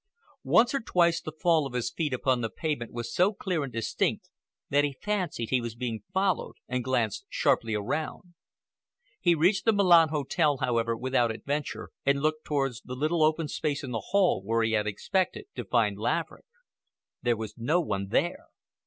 Once or twice the fall of his feet upon the pavement was so clear and distinct that he fancied he was being followed and glanced sharply around. He reached the Milan Hotel, however, without adventure, and looked towards the little open space in the hall where he had expected to find Laverick. There was no one there!